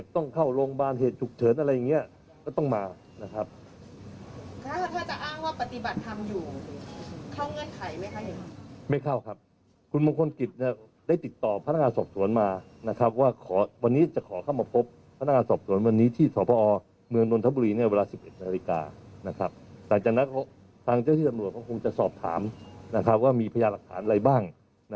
ทางเจ้าที่ตำรวจก็คงจะสอบถามว่ามีพญาหลักฐานอะไรบ้าง